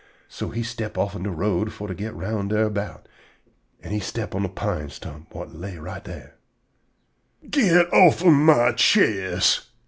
So he step offen de road fo' to go round erbout, an' he step on a pine stump whut lay right dar. "_Git offen my chest!